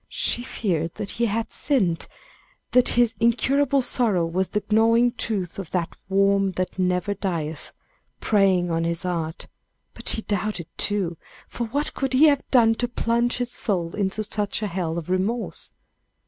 She feared that he had sinned, that his incurable sorrow was the gnawing tooth of that worm that never dieth, preying on his heart; but she doubted, too, for what could he have done to plunge his soul in such a hell of remorse?